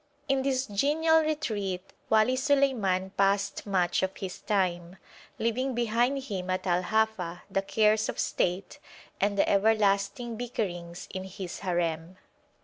In this genial retreat Wali Suleiman passed much of his time, leaving behind him at Al Hafa the cares of state and the everlasting bickerings in his harem.